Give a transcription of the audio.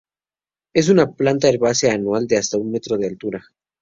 Es una planta herbácea anual de hasta un metro de altura.